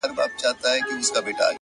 • د گلو كر نه دى چي څوك يې پــټ كړي ـ